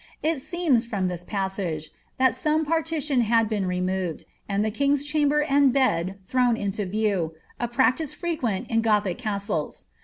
It seems, from this passage, that tome partition had been removed, and the king's chamber and bed thrown into view, a practice frequent in gothic castles.